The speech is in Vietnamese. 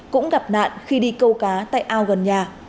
cũng gặp nạn khi đi câu cá tại ao gần nhà